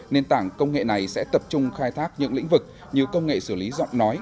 nền tảng công nghệ này sẽ tập trung khai thác những lĩnh vực như công nghệ xử lý giọng nói